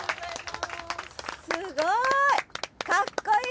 すごい！かっこいい！